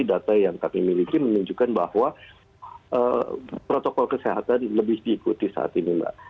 data yang kami miliki menunjukkan bahwa protokol kesehatan lebih diikuti saat ini mbak